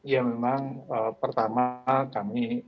ya memang pertama kami